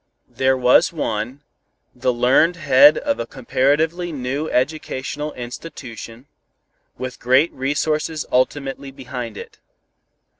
There was one, the learned head of a comparatively new educational institution, with great resources ultimately behind it.